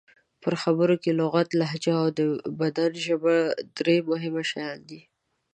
په خبرو کې لغت، لهجه او د بدن ژبه درې مهم شیان دي.